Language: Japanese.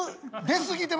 出すぎて。